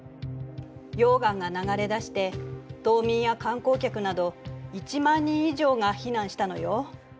溶岩が流れ出して島民や観光客など１万人以上が避難したのよ。